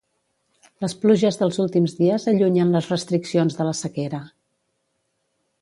Les pluges dels últims dies allunyen les restriccions de la sequera.